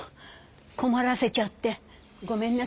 こまらせちゃってごめんなさいね。